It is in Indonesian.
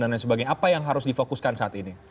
lain sebagainya apa yang harus difokuskan saat ini